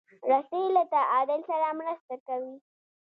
رسۍ له تعادل سره مرسته کوي.